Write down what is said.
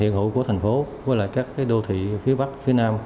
hiện hữu của thành phố với các đô thị phía bắc phía nam